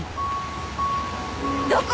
どこ？